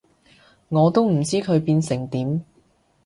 我都唔知佢變成點